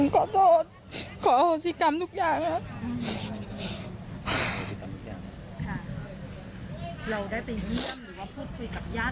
ขอโทษขอโทษศิลป์ทุกอย่างนะครับ